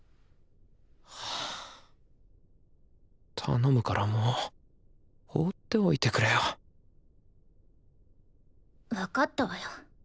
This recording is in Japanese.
頼むからもう放っておいてくれよ分かったわよ。